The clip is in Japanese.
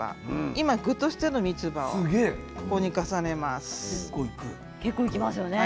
今具としてのみつばをここに重ねます。